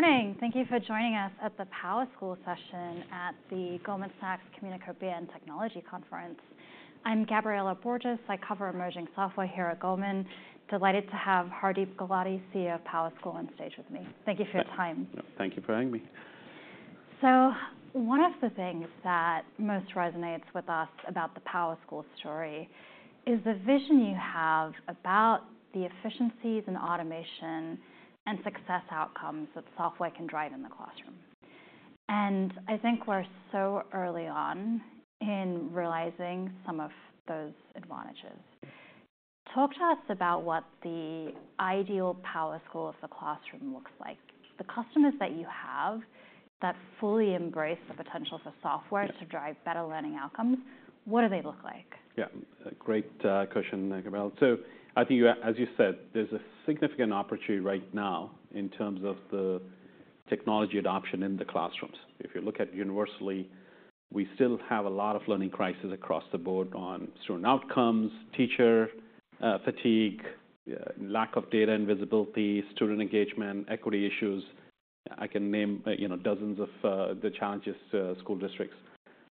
Morning! Thank you for joining us at the PowerSchool Session at the Goldman Sachs Communacopia and Technology Conference. I'm Gabriela Borges. I cover emerging software here at Goldman. Delighted to have Hardeep Gulati, CEO of PowerSchool, on stage with me. Thank you for your time. Thank you for having me. So one of the things that most resonates with us about the PowerSchool story is the vision you have about the efficiencies, and automation, and success outcomes that software can drive in the classroom. And I think we're so early on in realizing some of those advantages. Talk to us about what the ideal PowerSchool of the classroom looks like. The customers that you have that fully embrace the potential for software to drive better learning outcomes, what do they look like? Yeah, great, question, Gabriela. So I think, as you said, there's a significant opportunity right now in terms of the technology adoption in the classrooms. If you look at universally, we still have a lot of learning crisis across the board on student outcomes, teacher, fatigue, lack of data and visibility, student engagement, equity issues. I can name, you know, dozens of, the challenges, school districts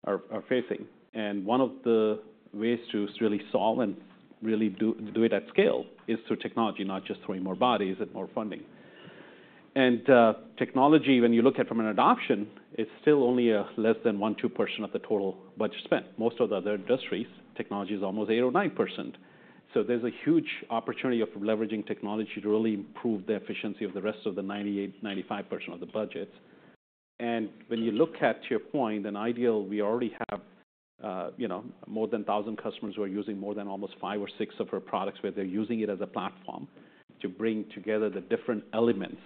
are facing. And one of the ways to really solve and really do it at scale is through technology, not just throwing more bodies at more funding. And, technology, when you look at from an adoption, it's still only less than 1%-2% of the total budget spent. Most of the other industries, technology is almost 8% or 9%. So there's a huge opportunity of leveraging technology to really improve the efficiency of the rest of the 98%-95% of the budget. And when you look at, to your point, an ideal, we already have, you know, more than a thousand customers who are using more than almost five or six of our products, where they're using it as a platform to bring together the different elements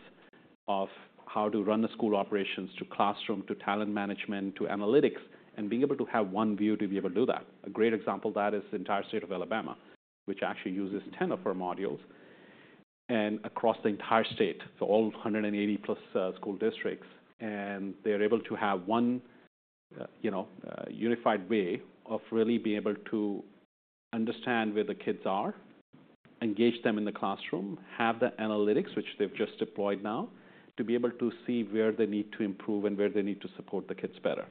of how to run the school operations, to classroom, to talent management, to analytics, and being able to have one view to be able to do that. A great example of that is the entire state of Alabama, which actually uses 10 of our modules and across the entire state, so all 180+ school districts. They're able to have one, you know, unified way of really being able to understand where the kids are, engage them in the classroom, have the analytics, which they've just deployed now, to be able to see where they need to improve and where they need to support the kids better.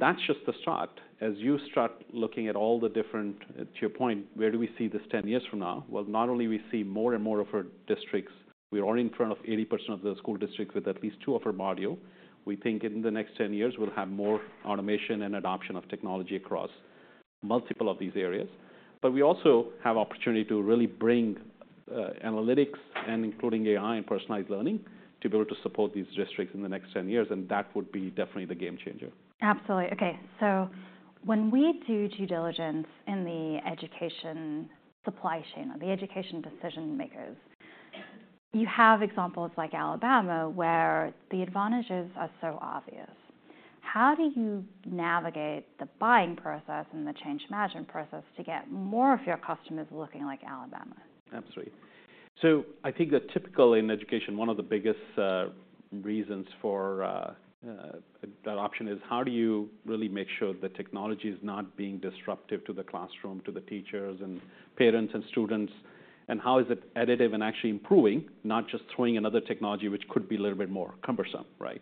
That's just the start. As you start looking at all the different, to your point, where do we see this ten years from now? Well, not only do we see more and more of our districts, we are in front of 80% of the school districts with at least two of our module. We think in the next 10 years, we'll have more automation and adoption of technology across multiple of these areas. But we also have opportunity to really bring analytics, including AI and personalized learning, to be able to support these districts in the next 10 years, and that would be definitely the game changer. Absolutely. Okay, so when we do due diligence in the education supply chain or the education decision makers, you have examples like Alabama, where the advantages are so obvious. How do you navigate the buying process and the change management process to get more of your customers looking like Alabama? Absolutely. So I think that typical in education, one of the biggest reasons for that option is: how do you really make sure the technology is not being disruptive to the classroom, to the teachers, and parents, and students? How is it additive and actually improving, not just throwing another technology, which could be a little bit more cumbersome, right?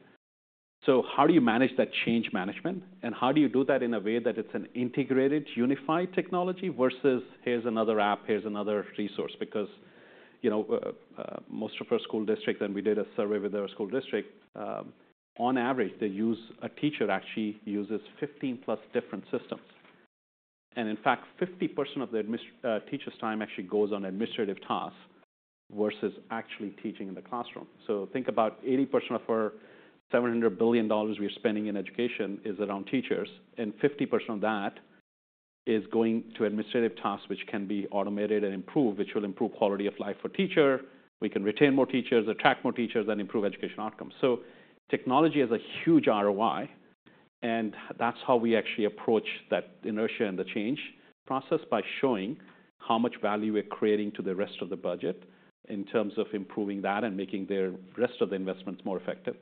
So how do you manage that change management, and how do you do that in a way that it's an integrated, unified technology versus here's another app, here's another resource? Because, you know, most of our school districts, and we did a survey with our school district, on average, they use a teacher actually uses 15+ different systems. And in fact, 50% of the admin, teachers' time actually goes on administrative tasks versus actually teaching in the classroom. So think about 80% of our $700 billion we are spending in education is around teachers, and 50% of that is going to administrative tasks, which can be automated and improved, which will improve quality of life for teacher. We can retain more teachers, attract more teachers, and improve education outcomes. So technology is a huge ROI, and that's how we actually approach that inertia and the change process, by showing how much value we're creating to the rest of the budget in terms of improving that and making their rest of the investments more effective.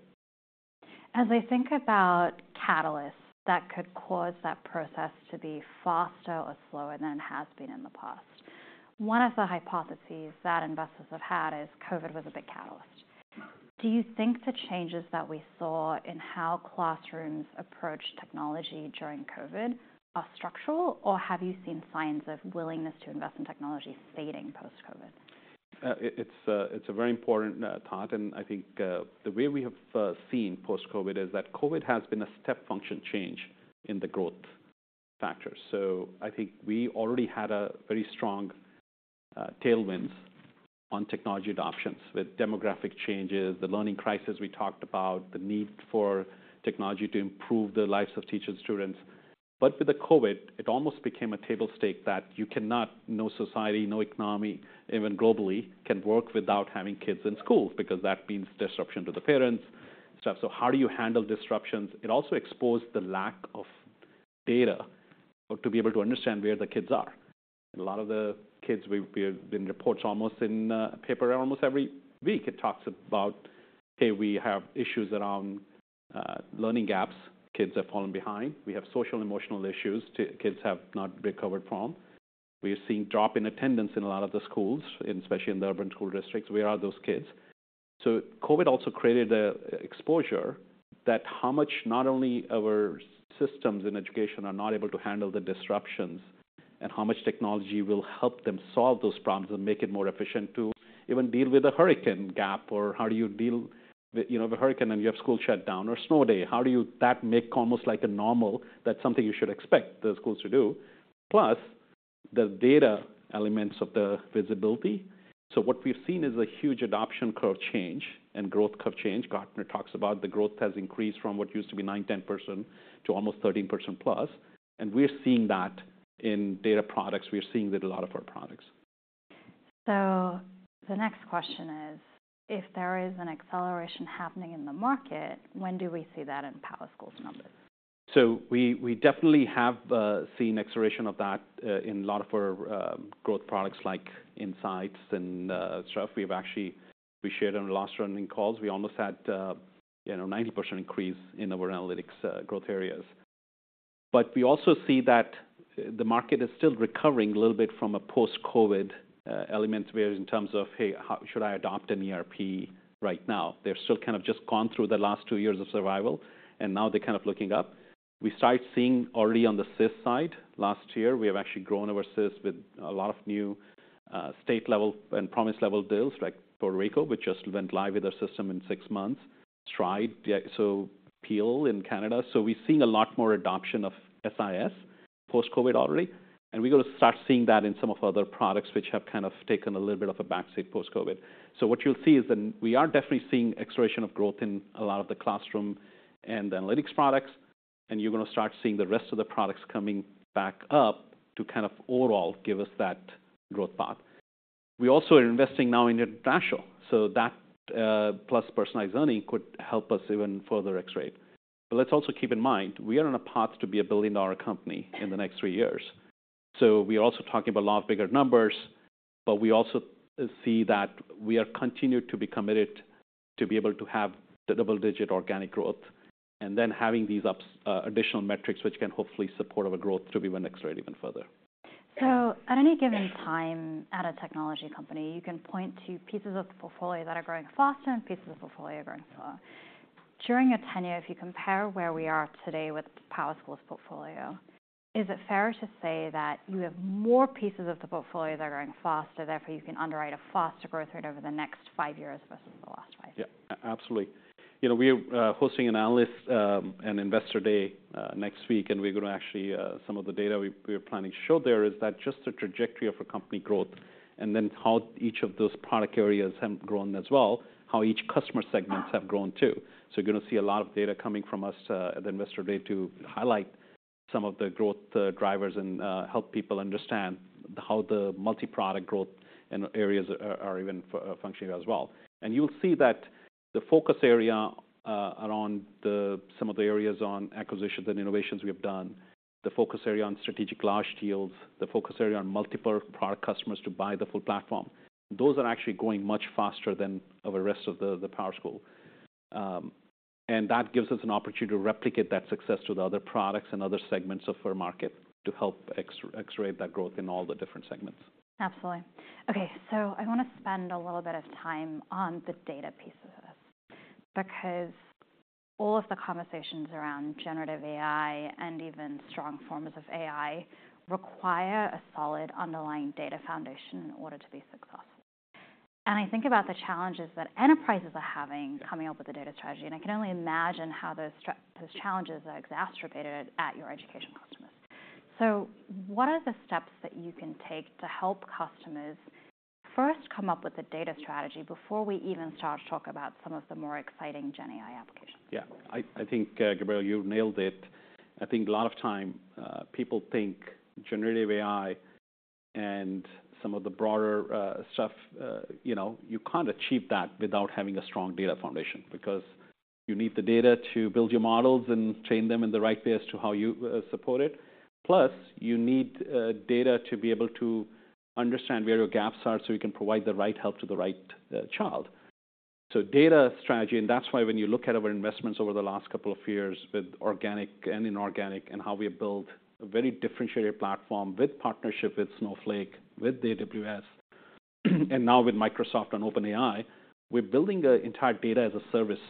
As I think about catalysts that could cause that process to be faster or slower than it has been in the past, one of the hypotheses that investors have had is COVID was a big catalyst. Mm-hmm. Do you think the changes that we saw in how classrooms approached technology during COVID are structural, or have you seen signs of willingness to invest in technology fading post-COVID? It's a very important thought, and I think the way we have seen post-COVID is that COVID has been a step function change in the growth factor. So I think we already had a very strong tailwinds on technology adoptions with demographic changes, the learning crisis we talked about, the need for technology to improve the lives of teachers and students. But with the COVID, it almost became a table stake that you cannot... no society, no economy, even globally, can work without having kids in school, because that means disruption to the parents. So how do you handle disruptions? It also exposed the lack of data to be able to understand where the kids are. A lot of the kids. There have been reports almost in the paper almost every week. It talks about, "Hey, we have issues around learning gaps. Kids have fallen behind. We have social, emotional issues the kids have not recovered from." We are seeing a drop in attendance in a lot of the schools, and especially in the urban school districts. Where are those kids? So COVID also created an exposure that how much, not only our systems in education are not able to handle the disruptions, and how much technology will help them solve those problems and make it more efficient to even deal with a hurricane gap, or how do you deal with, you know, the hurricane, and you have school shut down or snow day? How do you make that almost like a normal? That's something you should expect the schools to do. Plus, the data elements of the visibility. So what we've seen is a huge adoption curve change and growth curve change. Gartner talks about the growth has increased from what used to be 9%-10% to almost 13%+, and we are seeing that in data products. We are seeing that a lot of our products. The next question is: If there is an acceleration happening in the market, when do we see that in PowerSchool's numbers? So we definitely have seen acceleration of that in a lot of our growth products, like Insights and stuff. We've actually, we shared on the last earnings calls, we almost had, you know, 90% increase in our analytics growth areas. But we also see that the market is still recovering a little bit from a post-COVID element, where in terms of, "Hey, how should I adopt an ERP right now?" They've still kind of just gone through the last two years of survival, and now they're kind of looking up. We start seeing already on the SIS side. Last year, we have actually grown our SIS with a lot of new state-level and promise-level deals like Puerto Rico, which just went live with our system in six months. Stride, yeah, so Peel in Canada. So we're seeing a lot more adoption of SIS post-COVID already, and we're going to start seeing that in some of our other products, which have kind of taken a little bit of a backseat post-COVID. So what you'll see is that we are definitely seeing acceleration of growth in a lot of the classroom and analytics products, and you're going to start seeing the rest of the products coming back up to kind of overall give us that growth path. We also are investing now in international, so that plus personalized learning could help us even further accelerate. But let's also keep in mind, we are on a path to be a billion-dollar company in the next three years. So we are also talking about a lot of bigger numbers, but we also see that we are continued to be committed to be able to have the double-digit organic growth, and then having these upside additional metrics, which can hopefully support our growth to be accretive even further. So at any given time at a technology company, you can point to pieces of the portfolio that are growing faster and pieces of the portfolio are growing slower. During your tenure, if you compare where we are today with PowerSchool's portfolio, is it fair to say that you have more pieces of the portfolio that are growing faster, therefore, you can underwrite a faster growth rate over the next five years versus the last five years? Yeah, absolutely. You know, we are hosting an Analyst and Investor Day next week, and we're going to actually some of the data we are planning to show there is that just the trajectory of a company growth, and then how each of those product areas have grown as well, how each customer segments have grown too. So you're going to see a lot of data coming from us at the investor day to highlight some of the growth drivers and help people understand how the multi-product growth and areas are even functioning as well. And you'll see that the focus area around some of the areas on acquisitions and innovations we have done, the focus area on strategic large deals, the focus area on multiple product customers to buy the full platform. Those are actually growing much faster than over the rest of the PowerSchool. And that gives us an opportunity to replicate that success with other products and other segments of our market to help accelerate that growth in all the different segments. Absolutely. Okay, so I want to spend a little bit of time on the data piece of this, because all of the conversations around generative AI and even strong forms of AI require a solid underlying data foundation in order to be successful. And I think about the challenges that enterprises are having coming up with a data strategy, and I can only imagine how those challenges are exacerbated at your education customers. So what are the steps that you can take to help customers first come up with a data strategy before we even start to talk about some of the more exciting generative AI applications? Yeah. I think, Gabriela, you nailed it. I think a lot of time, people think generative AI and some of the broader stuff, you know, you can't achieve that without having a strong data foundation because you need the data to build your models and train them in the right way as to how you support it. Plus, you need data to be able to understand where your gaps are, so we can provide the right help to the right child. So data strategy, and that's why when you look at our investments over the last couple of years with organic and inorganic, and how we have built a very differentiated platform with partnership with Snowflake, with AWS, and now with Microsoft and OpenAI, we're building an entire Data-as-a-Service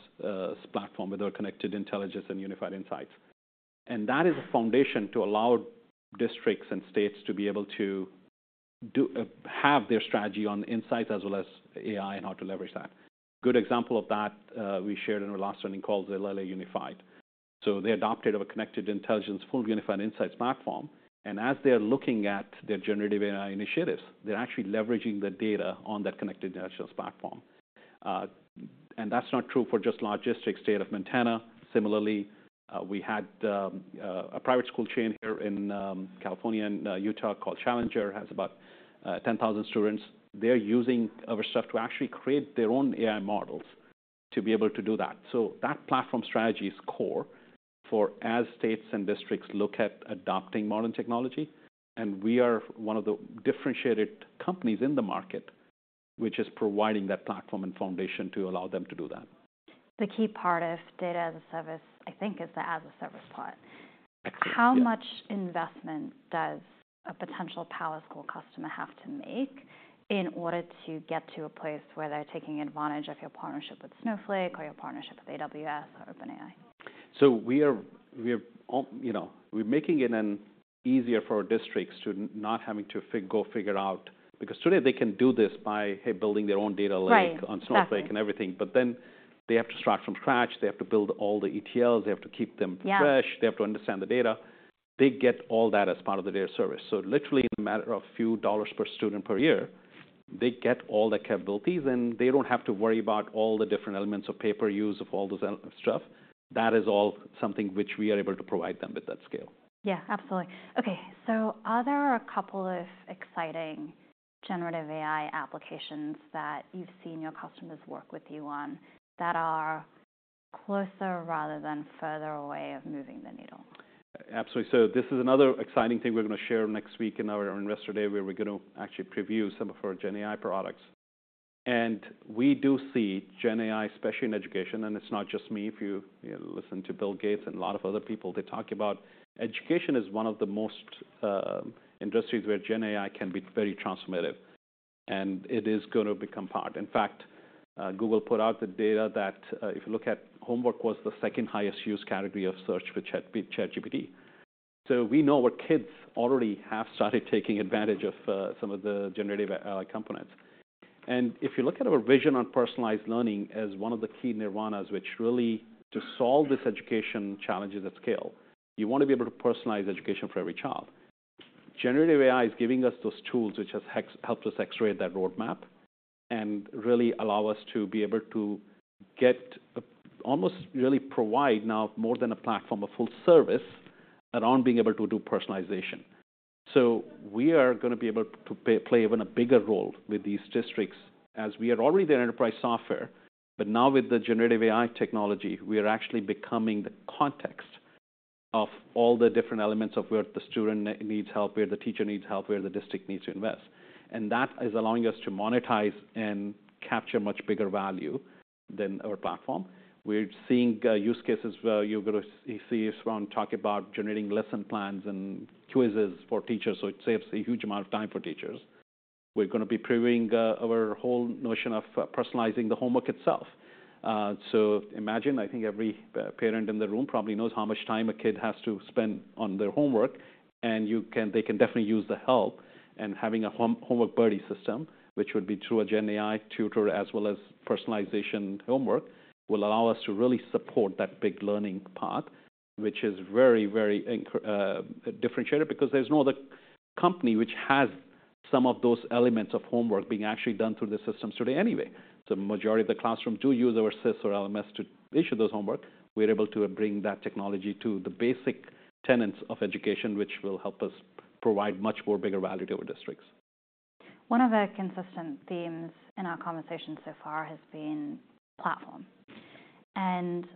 platform with our Connected Intelligence and Unified Insights. And that is a foundation to allow districts and states to be able to do, have their strategy on insights as well as AI and how to leverage that. Good example of that, we shared in our last earnings call is L.A. Unified. So they adopted our Connected Intelligence, full Unified Insights platform, and as they are looking at their generative AI initiatives, they're actually leveraging the data on that Connected Intelligence platform. And that's not true for just logistics. State of Montana, similarly, we had a private school chain here in California and Utah called Challenger, has about 10,000 students. They're using our stuff to actually create their own AI models to be able to do that. That platform strategy is core, as states and districts look at adopting modern technology, and we are one of the differentiated companies in the market, which is providing that platform and foundation to allow them to do that. The key part of data as a service, I think, is the as a service part. Exactly, yeah. How much investment does a potential PowerSchool customer have to make in order to get to a place where they're taking advantage of your partnership with Snowflake or your partnership with AWS or OpenAI? So we are, you know, we're making it easier for our districts to not have to figure out... because today they can do this by, hey, building their own data lake... Right, exactly... on Snowflake and everything, but then they have to start from scratch. They have to build all the ETLs. They have to keep them fresh. Yeah. They have to understand the data. They get all that as part of the data service. So literally in a matter of a few dollars per student per year, they get all the capabilities, and they don't have to worry about all the different elements of pay-per-use, of all those elements and stuff. That is all something which we are able to provide them with that scale. Yeah, absolutely. Okay, so are there a couple of exciting generative AI applications that you've seen your customers work with you on that are closer rather than further away of moving the needle? Absolutely. So this is another exciting thing we're gonna share next week in our Investor Day, where we're gonna actually preview some of our generative AI products. And we do see generative AI, especially in education, and it's not just me. If you, you know, listen to Bill Gates and a lot of other people, they talk about education is one of the most industries where generative AI can be very transformative, and it is gonna become part. In fact, Google put out the data that if you look at homework, was the second highest used category of search for ChatGPT. So we know our kids already have started taking advantage of some of the generative AI components. And if you look at our vision on personalized learning as one of the key nirvanas, which really, to solve these education challenges at scale, you want to be able to personalize education for every child. Generative AI is giving us those tools which has helped us x-ray that roadmap and really allow us to be able to get, almost really provide now more than a platform, a full service, around being able to do personalization. So we are gonna be able to play even a bigger role with these districts, as we are already the enterprise software, but now with the generative AI technology, we are actually becoming the context of all the different elements of where the student needs help, where the teacher needs help, where the district needs to invest. And that is allowing us to monetize and capture much bigger value than our platform. We're seeing use cases where you're gonna see us want to talk about generating lesson plans and quizzes for teachers, so it saves a huge amount of time for teachers. We're gonna be previewing our whole notion of personalizing the homework itself. So imagine, I think every parent in the room probably knows how much time a kid has to spend on their homework, and they can definitely use the help. And having a homework buddy system, which would be through a generative AI tutor as well as personalization homework, will allow us to really support that big learning part, which is very, very incredible differentiator because there's no other company which has some of those elements of homework being actually done through the system today anyway. The majority of the classrooms do use our SIS or LMS to issue those homework. We're able to bring that technology to the basic tenets of education, which will help us provide much more bigger value to our districts. One of the consistent themes in our conversation so far has been platform.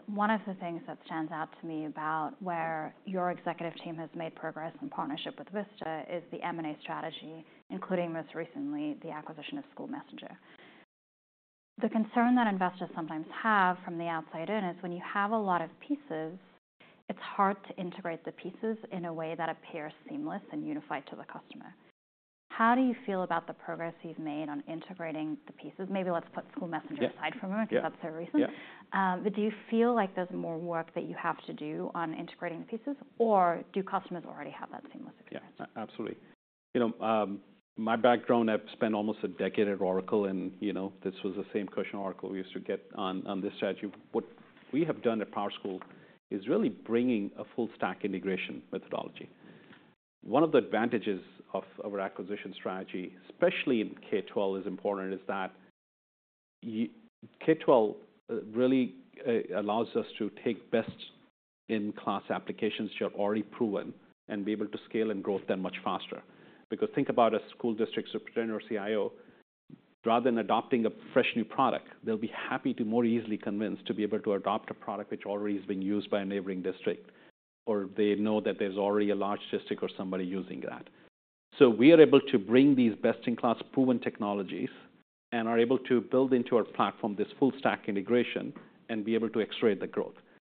One of the things that stands out to me about where your executive team has made progress in partnership with Vista is the M&A strategy, including, most recently, the acquisition of School Messenger. The concern that investors sometimes have from the outside in is when you have a lot of pieces, it's hard to integrate the pieces in a way that appears seamless and unified to the customer. How do you feel about the progress you've made on integrating the pieces? Maybe let's put School Messenger aside for a moment... Yeah... because that's a recent. Yeah. But, do you feel like there's more work that you have to do on integrating the pieces, or do customers already have that seamless experience? Yeah, absolutely. You know, my background, I've spent almost a decade at Oracle and, you know, this was the same question Oracle we used to get on this strategy. What we have done at PowerSchool is really bringing a full stack integration methodology. One of the advantages of our acquisition strategy, especially in K-12, is important, is that K-12 really allows us to take best-in-class applications which are already proven and be able to scale and grow them much faster. Because think about a school district superintendent or CIO, rather than adopting a fresh new product, they'll be happy to more easily convince to be able to adopt a product which already is being used by a neighboring district, or they know that there's already a large district or somebody using that. So we are able to bring these best-in-class, proven technologies and are able to build into our platform this full stack integration and be able to x-ray the growth.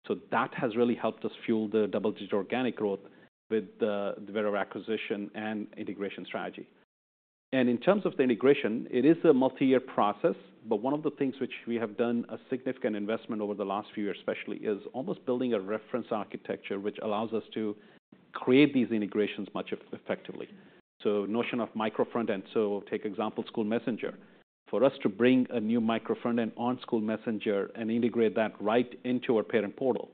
So that has really helped us fuel the double-digit organic growth with the, with our acquisition and integration strategy. And in terms of the integration, it is a multi-year process, but one of the things which we have done a significant investment over the last few years, especially, is almost building a reference architecture, which allows us to create these integrations much effectively. So notion of micro front-end, so take example, SchoolMessenger. For us to bring a new micro front-end on SchoolMessenger and integrate that right into our parent portal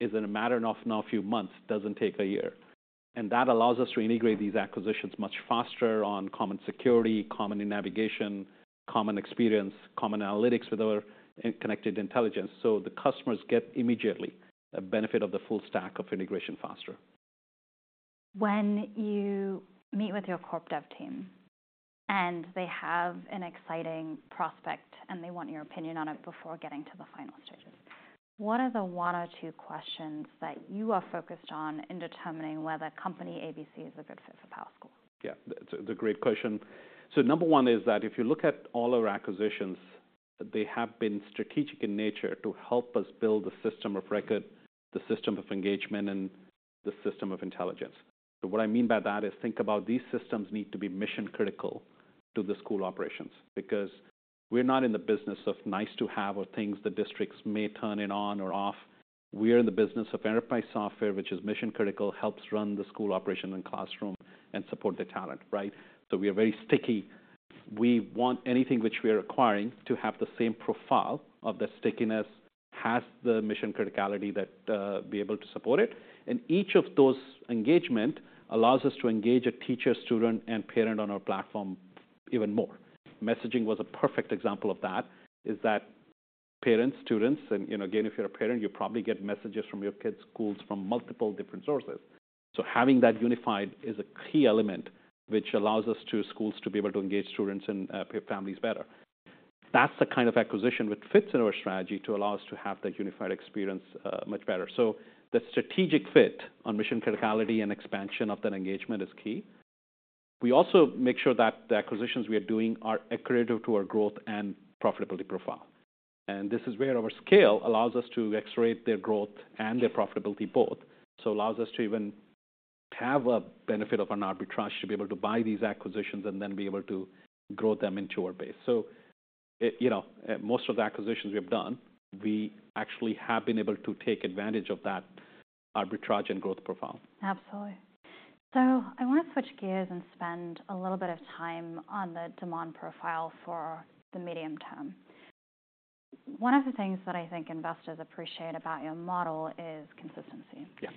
is in a matter of now a few months, doesn't take a year. And that allows us to integrate these acquisitions much faster on common security, common in navigation, common experience, common analytics with our Connected Intelligence. So the customers get immediately a benefit of the full stack of integration faster. When you meet with your corporate development team, and they have an exciting prospect, and they want your opinion on it before getting to the final stages, what are the one or two questions that you are focused on in determining whether Company A, B, C is a good fit for PowerSchool? Yeah, it's a great question. So number one is that if you look at all our acquisitions, they have been strategic in nature to help us build a system of record, the system of engagement, and the system of intelligence. So what I mean by that is, think about these systems need to be mission critical to the school operations, because we're not in the business of nice to have or things the districts may turn it on or off. We are in the business of enterprise software, which is mission critical, helps run the school operation and classroom, and support the talent, right? So we are very sticky. We want anything which we are acquiring to have the same profile of the stickiness, has the mission criticality that, be able to support it. Each of those engagement allows us to engage a teacher, student, and parent on our platform even more. Messaging was a perfect example of that, is that parents, students, and, you know, again, if you're a parent, you probably get messages from your kids' schools from multiple different sources. So having that unified is a key element which allows us to, schools to be able to engage students and families better. That's the kind of acquisition which fits into our strategy to allow us to have that unified experience much better. So the strategic fit on mission criticality and expansion of that engagement is key. We also make sure that the acquisitions we are doing are accretive to our growth and profitability profile. And this is where our scale allows us to x-ray their growth and their profitability both. So allows us to even have a benefit of an arbitrage, to be able to buy these acquisitions and then be able to grow them into our base. So, it, you know, most of the acquisitions we have done, we actually have been able to take advantage of that arbitrage and growth profile. Absolutely. So I want to switch gears and spend a little bit of time on the demand profile for the medium term. One of the things that I think investors appreciate about your model is consistency. Yeah.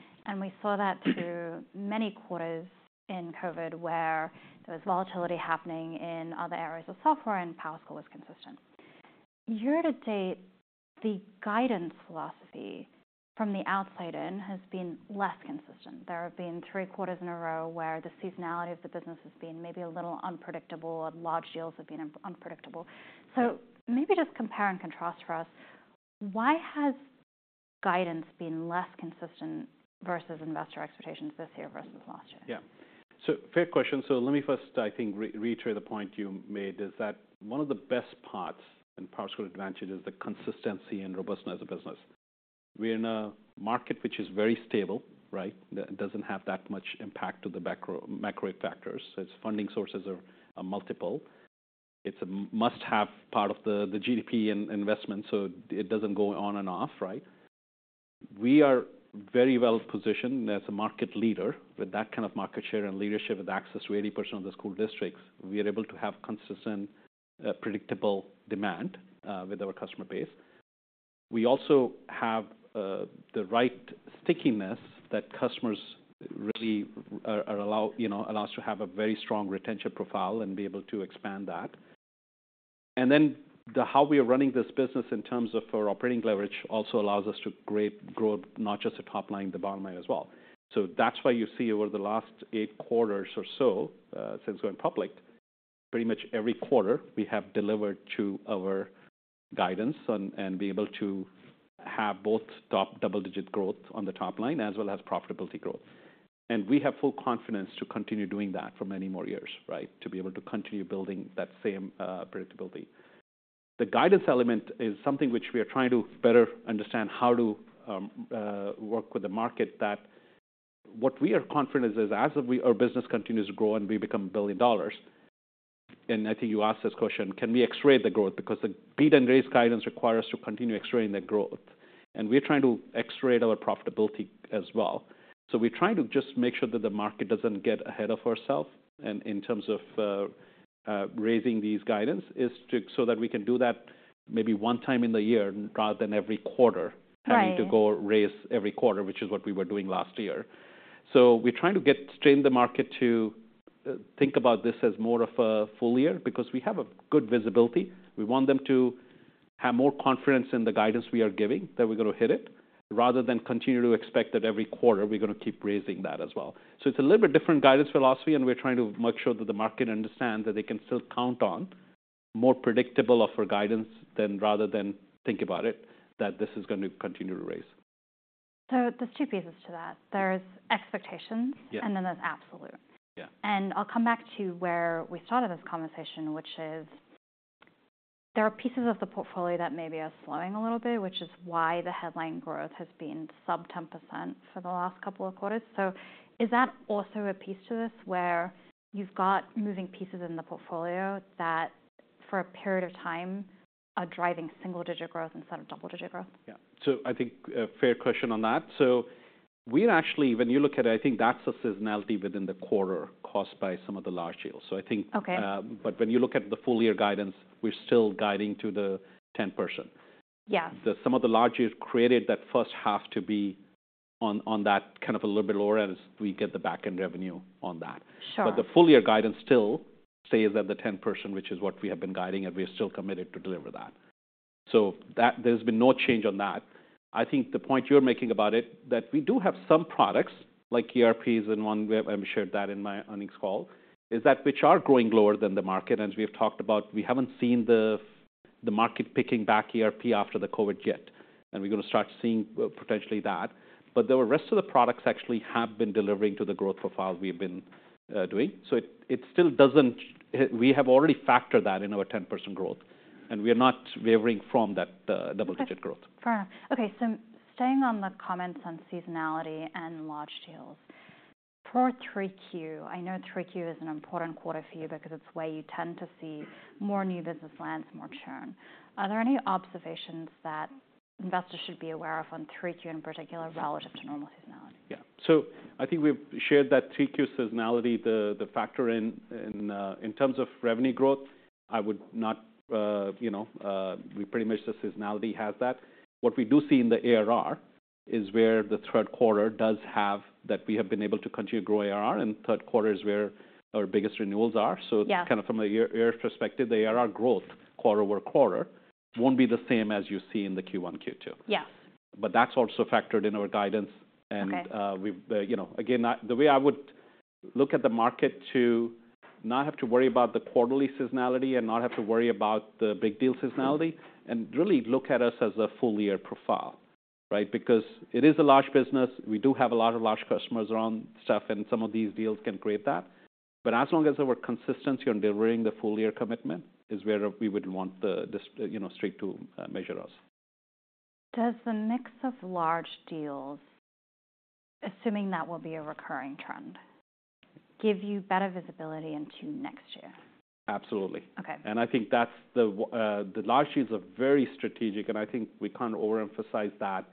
We saw that through many quarters in COVID, where there was volatility happening in other areas of software, and PowerSchool was consistent. Year to date, the guidance philosophy from the outside in has been less consistent. There have been three quarters in a row where the seasonality of the business has been maybe a little unpredictable, and large deals have been unpredictable. So maybe just compare and contrast for us, why has guidance been less consistent versus investor expectations this year versus last year? Yeah. So fair question. So let me first, I think, reiterate the point you made, is that one of the best parts and PowerSchool advantage is the consistency and robustness of business. We're in a market which is very stable, right? That doesn't have that much impact to the macro factors. So its funding sources are multiple. It's a must-have part of the GDP and investment, so it doesn't go on and off, right? We are very well positioned as a market leader. With that kind of market share and leadership, with access to 80% of the school districts, we are able to have consistent, predictable demand with our customer base. We also have the right stickiness that customers really, you know, allows to have a very strong retention profile and be able to expand that. And then, how we are running this business in terms of our operating leverage, also allows us to grow, not just the top line, the bottom line as well. So that's why you see over the last eight quarters or so, since going public, pretty much every quarter, we have delivered to our guidance and be able to have both top double-digit growth on the top line, as well as profitability growth. And we have full confidence to continue doing that for many more years, right? To be able to continue building that same predictability. The guidance element is something which we are trying to better understand how to work with the market, that what we are confident is, as we, our business continues to grow and we become billion dollars, and I think you asked this question: Can we x-ray the growth? Because the beat and raise guidance require us to continue x-raying the growth, and we are trying to x-ray our profitability as well. So we're trying to just make sure that the market doesn't get ahead of ourself, and in terms of raising these guidance, is to, so that we can do that maybe one time in the year rather than every quarter... Right.... having to go raise every quarter, which is what we were doing last year. So we're trying to train the market to think about this as more of a full year, because we have a good visibility. We want them to have more confidence in the guidance we are giving, that we're going to hit it, rather than continue to expect that every quarter we're going to keep raising that as well. So it's a little bit different guidance philosophy, and we're trying to make sure that the market understands that they can still count on more predictable of our guidance than, rather than think about it, that this is going to continue to raise. So there's two pieces to that. There's expectations... Yeah.... and then there's absolute. Yeah. I'll come back to where we started this conversation, which is there are pieces of the portfolio that maybe are slowing a little bit, which is why the headline growth has been sub 10% for the last couple of quarters. So is that also a piece to this, where you've got moving pieces in the portfolio that, for a period of time, are driving single-digit growth instead of double-digit growth? Yeah. So I think a fair question on that. So we actually, when you look at it, I think that's a seasonality within the quarter caused by some of the large deals. So I think... Okay. When you look at the full year guidance, we're still guiding to the 10%. Yeah. Some of the large deals created that first half to be on that kind of a little bit lower as we get the back-end revenue on that. Sure. But the full year guidance still stays at the 10%, which is what we have been guiding, and we are still committed to deliver that. So that, there's been no change on that. I think the point you're making about it, that we do have some products like ERPs and one, we have, I shared that in my earnings call, is that which are growing lower than the market. And as we have talked about, we haven't seen the market picking back ERP after the COVID yet, and we're going to start seeing potentially that. But the rest of the products actually have been delivering to the growth profile we've been doing. So it still doesn't. We have already factored that in our 10% growth, and we are not wavering from that, double-digit growth. Fair enough. Okay, so staying on the comments on seasonality and large deals, for 3Q, I know 3Q is an important quarter for you because it's where you tend to see more new business lands, more churn. Are there any observations that investors should be aware of on 3Q, in particular, relative to normal seasonality? Yeah. So I think we've shared that 3Q seasonality, the factor in terms of revenue growth, I would not, you know, we pretty much the seasonality has that. What we do see in the ARR is where the third quarter does have, that we have been able to continue to grow ARR, and third quarter is where our biggest renewals are. Yeah. Kind of from a year perspective, the ARR growth quarter over quarter won't be the same as you see in the Q1, Q2. Yes. But that's also factored in our guidance. Okay. We've, you know, again, the way I would look at the market to not have to worry about the quarterly seasonality and not have to worry about the big deal seasonality, and really look at us as a full year profile, right? Because it is a large business. We do have a lot of large customers around stuff, and some of these deals can create that. But as long as our consistency on delivering the full year commitment is where we would want the, this, you know, straight to measure us. Does the mix of large deals, assuming that will be a recurring trend, give you better visibility into next year? Absolutely. Okay. I think the large deals are very strategic, and I think we can't overemphasize that,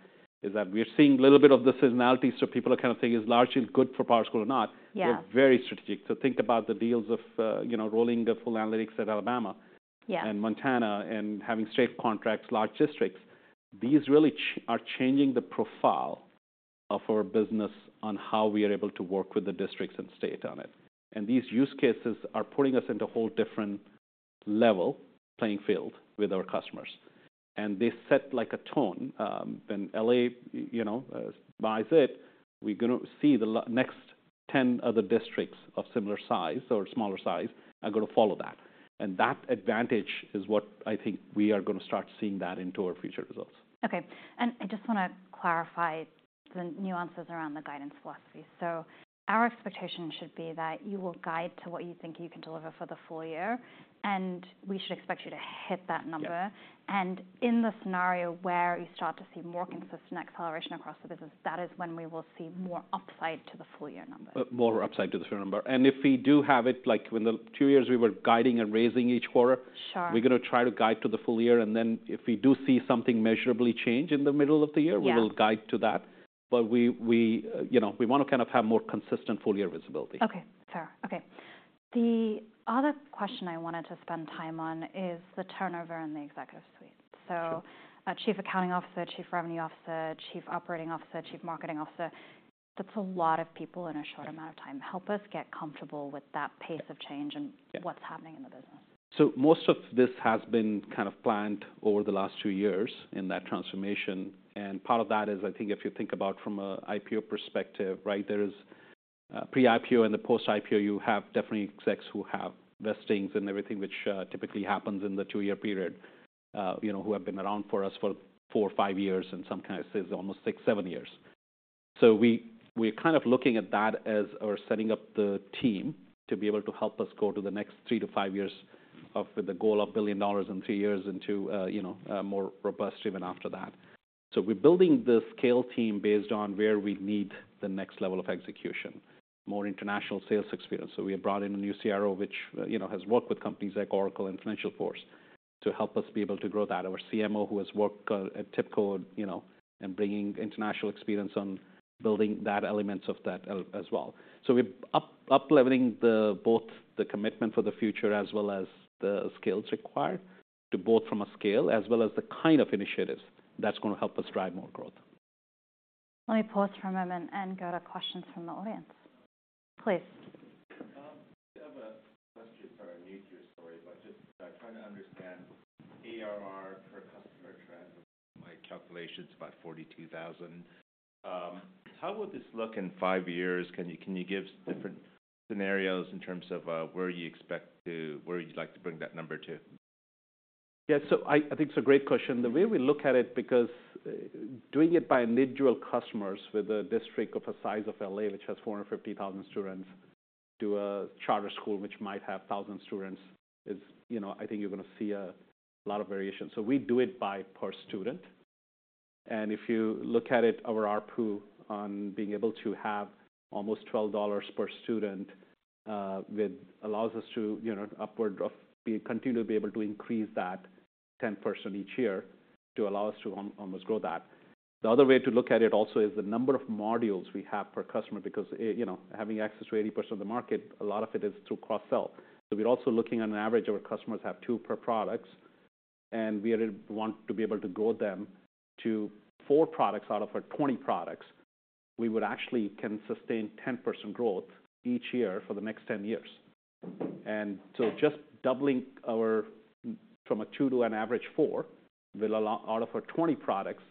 is that we're seeing a little bit of the seasonality, so people are kind of thinking, is large deals good for PowerSchool or not? Yeah. They're very strategic. So think about the deals of, you know, rolling the full analytics at Alabama... Yeah... and Montana, and having state contracts, large districts. These really are changing the profile of our business on how we are able to work with the districts and state on it. And these use cases are putting us into a whole different level playing field with our customers. And they set like a tone. When L.A., you know, buys it, we're going to see the next 10 other districts of similar size or smaller size are going to follow that. And that advantage is what I think we are going to start seeing that into our future results. Okay. I just want to clarify the nuances around the guidance philosophy. Our expectation should be that you will guide to what you think you can deliver for the full year, and we should expect you to hit that number. Yeah. In the scenario where you start to see more consistent acceleration across the business, that is when we will see more upside to the full year number. More upside to the full number. And if we do have it, like when the two years we were guiding and raising each quarter... Sure.... we're going to try to guide to the full year, and then if we do see something measurably change in the middle of the year... Yeah... we will guide to that. But we, you know, we want to kind of have more consistent full year visibility. Okay, fair. Okay. The other question I wanted to spend time on is the turnover in the executive suite. A Chief Accounting Officer, Chief Revenue Officer, Chief Operating Officer, Chief Marketing Officer, that's a lot of people in a short amount of time. Help us get comfortable with that pace of change. Yeah... and what's happening in the business. So most of this has been kind of planned over the last two years in that transformation, and part of that is, I think, if you think about from an IPO perspective, right? There is pre-IPO and the post-IPO, you have definitely executives who have vestings and everything, which typically happens in the two-year period, you know, who have been around for us for four or five years and some kind of almost six, seven years. So we, we're kind of looking at that as we're setting up the team to be able to help us go to the next thre to five years of the goal of a billion dollars in three years into a, you know, a more robust even after that. So we're building the scale team based on where we need the next level of execution, more international sales experience. So we have brought in a new CRO, which, you know, has worked with companies like Oracle and FinancialForce to help us be able to grow that. Our CMO, who has worked at TIBCO, you know, and bringing international experience on building that elements of that as well. So we're up-leveling the, both the commitment for the future as well as the skills required to both from a scale as well as the kind of initiatives that's going to help us drive more growth. Let me pause for a moment and go to questions from the audience. Please. I have a question to our newsroom story, but just trying to understand ARR per customer trend. My calculation's about $42,000. How would this look in five years? Can you, can you give different scenarios in terms of, where you expect to, where you'd like to bring that number to? Yeah, so I, I think it's a great question. The way we look at it, because doing it by individual customers with a district of a size of L.A., which has 450,000 students, to a charter school, which might have 1,000 students, is, you know, I think you're going to see a lot of variation. So we do it by per student. And if you look at it, our ARPU on being able to have almost $12 per student, with allows us to, you know, upward of, We continue to be able to increase that 10% each year to allow us to almost grow that. The other way to look at it also is the number of modules we have per customer, because, you know, having access to 80% of the market, a lot of it is through cross-sell. So we're also looking on average, our customers have two per products, and we really want to be able to grow them to four products out of our 20 products. We would actually can sustain 10% growth each year for the next 10 years. And so just doubling our, from a two to an average four, will allow out of our 20 products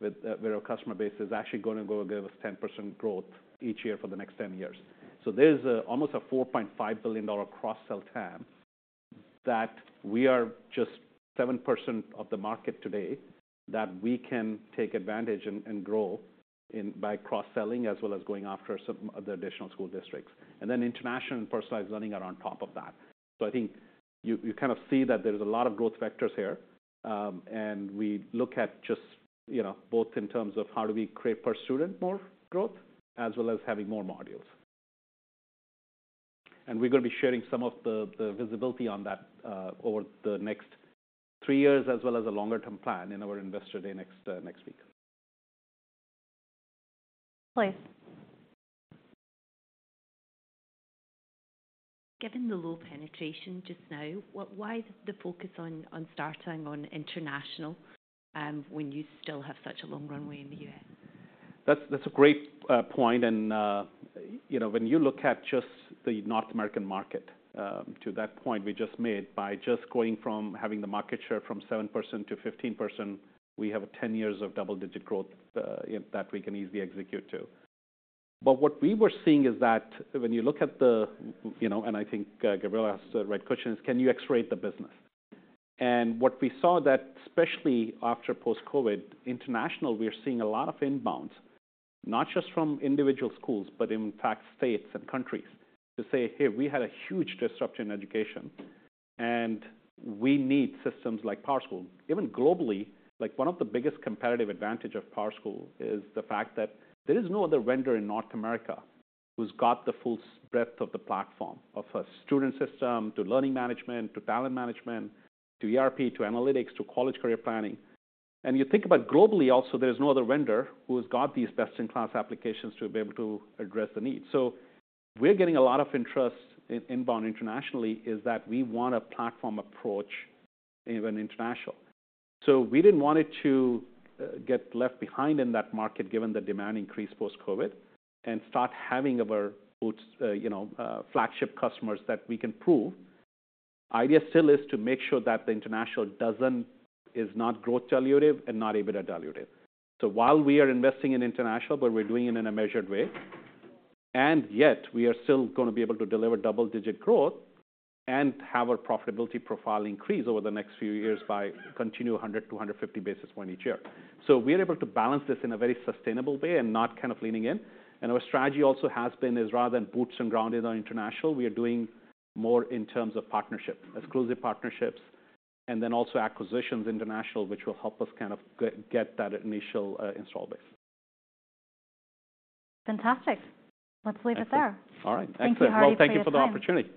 with where our customer base is actually going to go give us 10% growth each year for the next 10 years. So there's almost a $4.5 billion cross-sell TAM, that we are just 7% of the market today, that we can take advantage and, and grow in by cross-selling, as well as going after some of the additional school districts. And then international and personalized learning are on top of that. So I think you kind of see that there's a lot of growth vectors here. And we look at just, you know, both in terms of how do we create per student more growth, as well as having more modules. And we're going to be sharing some of the visibility on that, over the next three years, as well as a longer-term plan in our Investor Day next week. Please. Given the low penetration just now, why the focus on starting on international, when you still have such a long runway in the US? That's, that's a great point. And, you know, when you look at just the North American market, to that point we just made, by just going from having the market share from 7% to 15%, we have 10 years of double-digit growth, you know, that we can easily execute to. But what we were seeing is that when you look at the... You know, and I think Gabriela asked the right question, is: Can you accelerate the business? What we saw that, especially after post-COVID, international, we are seeing a lot of inbounds, not just from individual schools, but in fact, states and countries, to say: "Hey, we had a huge disruption in education, and we need systems like PowerSchool." Even globally, like, one of the biggest competitive advantage of PowerSchool is the fact that there is no other vendor in North America who's got the full breadth of the platform, of a student system, to learning management, to talent management, to ERP, to analytics, to college career planning. And you think about globally, also, there is no other vendor who has got these best-in-class applications to be able to address the needs. So we're getting a lot of interest in inbound internationally, is that we want a platform approach, even international. So we didn't want it to get left behind in that market, given the demand increase post-COVID, and start having our boots, you know, flagship customers that we can prove. The idea still is to make sure that the international is not growth dilutive and not EBITDA dilutive. So while we are investing in international, but we're doing it in a measured way, and yet we are still going to be able to deliver double-digit growth and have our profitability profile increase over the next few years by continued 100-150 basis point each year. So we are able to balance this in a very sustainable way and not kind of leaning in. Our strategy also has been, is rather than boots on the ground in international, we are doing more in terms of partnership, exclusive partnerships, and then also acquisitions international, which will help us kind of get that initial installed base. Fantastic. Let's leave it there. All right. Excellent. Thank you, Hardeep, for your time. Well, thank you for the opportunity.